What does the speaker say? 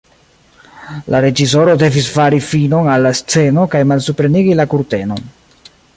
La reĝisoro devis fari finon al la sceno kaj malsuprenigi la kurtenon.